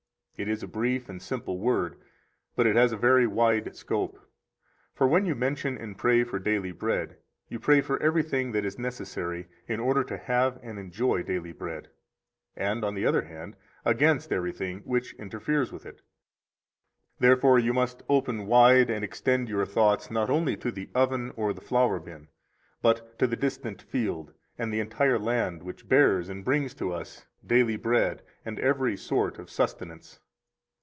It is a brief and simple word, but it has a very wide scope. For when you mention and pray for daily bread, you pray for everything that is necessary in order to have and enjoy daily bread and, on the other hand, against everything which interferes with it. Therefore you must open wide and extend your thoughts not only to the oven or the flour bin, but to the distant field and the entire land, which bears and brings to us daily bread and every sort of sustenance.